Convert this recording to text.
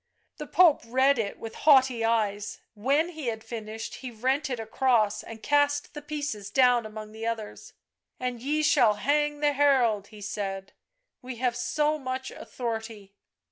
The Pope read it with haughty eyes; when he had finished he rent it across and cast the pieces down among the others. " And ye shall hang the herald," he said. u We have so much authority."